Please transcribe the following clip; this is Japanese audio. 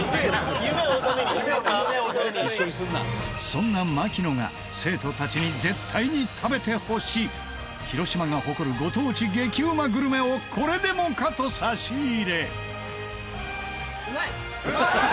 そんな槙野が生徒たちに絶対に食べてほしい広島が誇るご当地激うまグルメをこれでもかと差し入れ